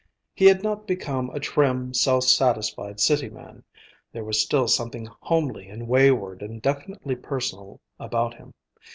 He had not become a trim, self satisfied city man. There was still something homely and wayward and definitely personal about him.